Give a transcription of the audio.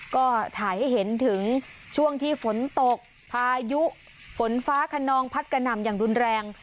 ก็ถ่ายให้เห็นถึงช่วงที่ฝนตกพายุฝนฟ้าขนองพัดกระหน่ำอย่างรุนแรง